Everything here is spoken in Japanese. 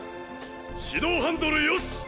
始動ハンドルよし。